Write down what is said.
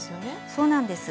そうなんです。